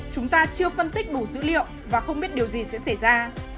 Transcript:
chúng ta chưa phân tích đủ dữ liệu và không biết điều gì sẽ xảy ra